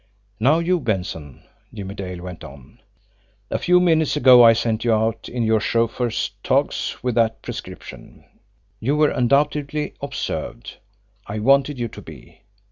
"Now, you, Benson," Jimmie Dale went on. "A few minutes ago I sent you out in your chauffeur's togs with that prescription. You were undoubtedly observed. I wanted you to be.